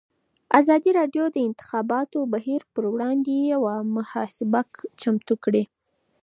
ازادي راډیو د د انتخاباتو بهیر پر وړاندې یوه مباحثه چمتو کړې.